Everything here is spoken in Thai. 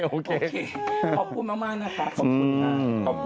โอเคขอบคุณมากนะคะขอบคุณค่ะ